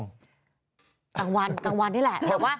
ครั้งวันนี่แล้วอะว้ะ